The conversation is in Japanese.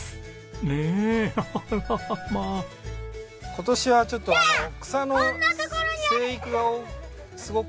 今年はちょっと草の生育がすごくて。